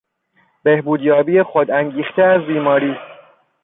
بهبودیابی خودانگیخته از بیماری